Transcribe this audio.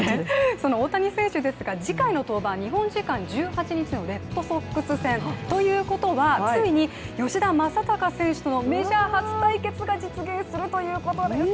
その大谷選手ですが次回の登板日本時間１８日のレッドソックス戦、ということはついに吉田正尚選手とのメジャー初対決が実現するということです。